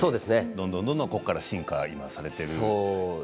どんどんここから進化されているんですよね。